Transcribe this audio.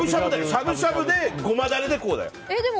しゃぶしゃぶでゴマダレでこうだよ。